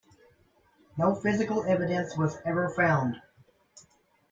No physical evidence was ever found.